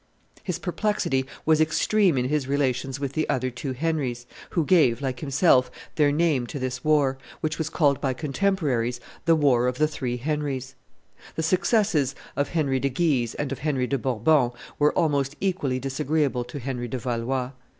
His perplexity was extreme in his relations with the other two Henries, who gave, like himself, their name to this war, which was called by contemporaries the war of the three Henries. The successes of Henry de Guise and of Henry de Bourbon were almost equally disagreeable to Henry de Valois.